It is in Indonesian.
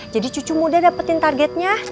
jadi cucu muda dapetin targetnya